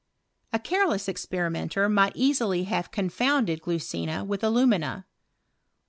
A careless experimenter might easily have confounded glucina with alumina.